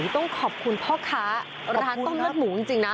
ต้องขอบคุณพ่อค้าร้านต้มเลือดหมูจริงนะ